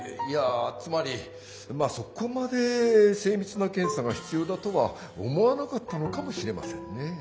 いやつまりまあそこまで精密な検査が必要だとは思わなかったのかもしれませんね。